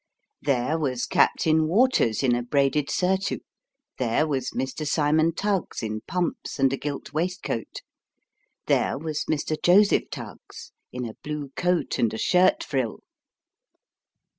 There was Captain Waters in a braided surtout ; there was Mr. Cymon Tuggs in pumps and a gilt waistcoat ; there was Mr. Joseph Tuggs in a blue coat, and a shirt frill.